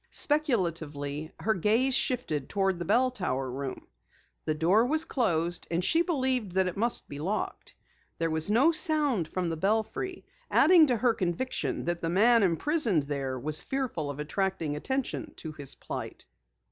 Speculatively, her gaze shifted toward the bell tower room. The door was closed and she believed that it must be locked. There was no sound from the belfry, adding to her conviction that the man imprisoned there was fearful of attracting attention to his plight.